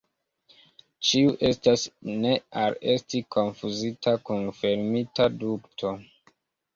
Ĉi tiu estas ne al esti konfuzita kun fermita dukto.